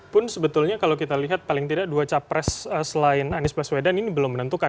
pun sebetulnya kalau kita lihat paling tidak dua capres selain anies baswedan ini belum menentukan